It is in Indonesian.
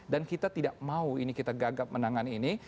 dan kita tidak mau ini kita gagap menangan ini